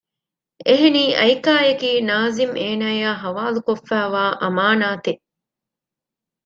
އެހެނީ އައިކާއަކީ ނާޒިމް އޭނާއާ ހަވާލުކޮށްފައިވާ އަމާނާތެއް